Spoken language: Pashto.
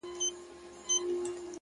پوهه د ناپوهۍ پردې لرې کوي